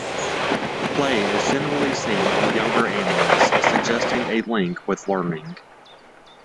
Play is generally seen in younger animals, suggesting a link with learning.